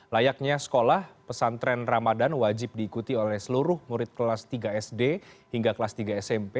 layaknya sekolah pesantren ramadan wajib diikuti oleh seluruh murid kelas tiga sd hingga kelas tiga smp